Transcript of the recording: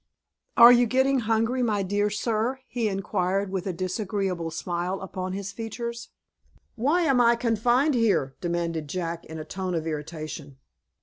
"Are you getting hungry, my dear sir?" he inquired, with a disagreeable smile upon his features. "Why am I confined here?" demanded Jack, in a tone of irritation.